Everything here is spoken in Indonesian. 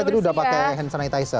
tadi udah pakai hand sanitizer